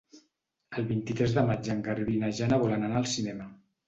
El vint-i-tres de maig en Garbí i na Jana volen anar al cinema.